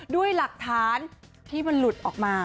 ด้วยหลักฐานที่มันหลุดออกมา